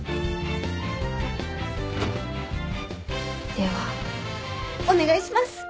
ではお願いします。